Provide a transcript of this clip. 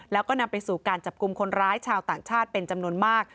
แล้วก็นำไปสู่การจับกลุ่มคนร้ายชาวต่างชาติเป็นจำนวนมาก